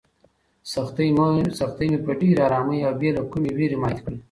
سختۍ مې په ډېرې ارامۍ او بې له کومې وېرې ماتې کړې.